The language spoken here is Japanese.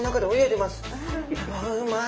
わうまい！